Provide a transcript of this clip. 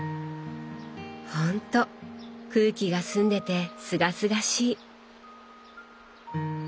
ほんと空気が澄んでてすがすがしい。